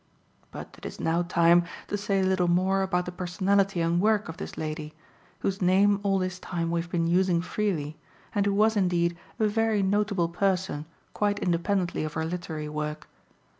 But it is now time to say a little more about the personality and work of this lady, whose name all this time we have been using freely, and who was indeed a very notable person quite independently of her literary work.